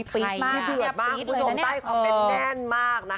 คือเดือดมากคุณผู้ชมใต้คอมเมนต์แน่นมากนะคะ